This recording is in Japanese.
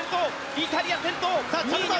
イタリア、先頭。